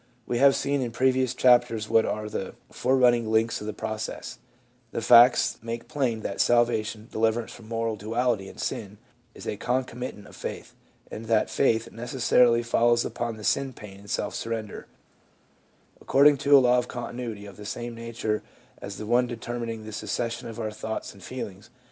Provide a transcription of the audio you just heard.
We have seen In previous chapters what are the forerunning links of the process ; the facts make plain that salvation (deliverance from moral duality and sin) is a concomitant of faith, and that faith necessarily follows upon the sin pain and self surrender, according to a law of continuity of the same nature as the one determining the succession of our thoughts and feelings.